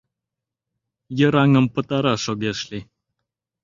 Йыраным пытараш огеш лий.